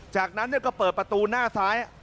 จากนั้นก็เปิดประตูหน้าซ้าย